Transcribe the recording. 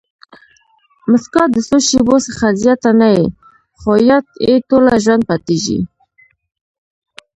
مسکا د څو شېبو څخه زیاته نه يي؛ خو یاد ئې ټوله ژوند پاتېږي.